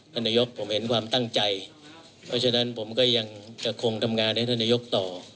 ท่านนายกผมเห็นความตั้งใจเพราะฉะนั้นผมก็ยังจะคงทำงานให้ท่านนายกต่อ